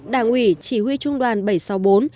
đảng ủy chỉ huy trung đoàn bảy trăm sáu mươi bốn